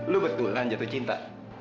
lu betul kan jatuh cinta